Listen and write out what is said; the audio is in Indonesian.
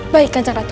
baik kancang ratu